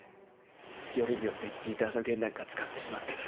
よりによってギターの弦なんか使ってしまったから。